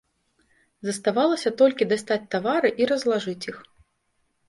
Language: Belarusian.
Заставалася толькі дастаць тавары і разлажыць іх.